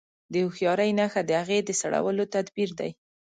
د هوښياري نښه د هغې د سړولو تدبير دی.